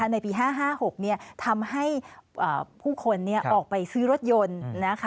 ในปี๕๕๖ทำให้ผู้คนออกไปซื้อรถยนต์